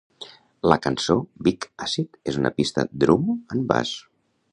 La cançó "Vic Acid" és una pista drum and bass.